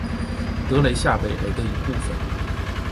德雷下韦雷的一部分。